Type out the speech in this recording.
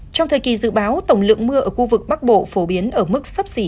trong thời kỳ dự báo tổng lượng mưa ở khu vực bắc bộ phổ biến ở mức sấp xỉ